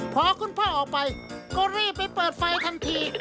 พอคุณพ่อออกไปก็รีบไปเปิดไฟทันที